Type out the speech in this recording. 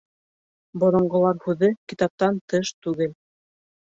Боронғолар һүҙе китаптан тыш түгел.